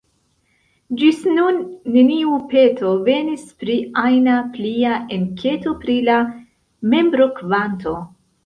Ĝis nun, neniu peto venis pri ajna plia enketo pri la membrokvanto.